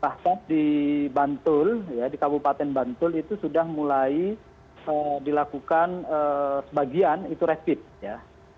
bahkan di bantul di kabupaten bantul itu sudah mulai dilakukan sebagian itu rapid ya